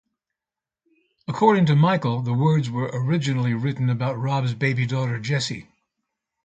According to Michael, the words were originally written about Rob's baby daughter Jesse.